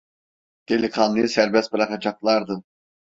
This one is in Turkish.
Delikanlıyı serbest bırakacaklardı.